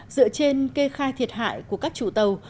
dựa trên kê khai thiệt hại của các chủ tàu